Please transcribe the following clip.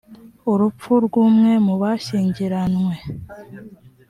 urupfu rw’umwe mu bashyingiranywe